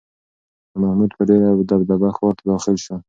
شاه محمود په ډېره دبدبه ښار ته داخل شو.